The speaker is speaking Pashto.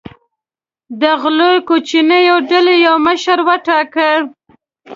د غلو کوچنۍ ډلې یو مشر وټاکي.